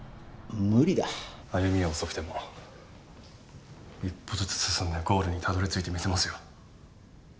歩みは遅くても一歩ずつ進んでゴールにたどり着いてみせますよ。